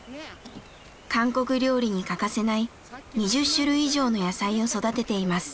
韓国料理に欠かせない２０種類以上の野菜を育てています。